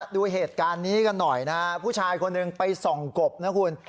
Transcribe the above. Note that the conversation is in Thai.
ดูเหตุการณ์นี้กันหน่อยนะฮะผู้ชายคนหนึ่งไปส่องกบนะคุณ